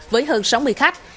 với hơn sáu mươi khách